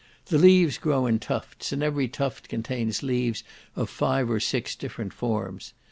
The leaves grow in tufts, and every tuft contains leaves of five or six different forms.